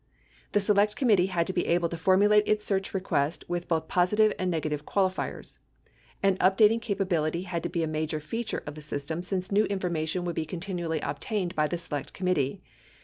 The Select Committee had to be able to formulate its search request with both positive and negative qualifiers. An updating ca pability had to be a major feature of the system since new information ( 1087 ) 35 687 0 74 70 1088 would be continually obtained by the Select Committee.